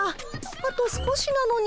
あと少しなのに。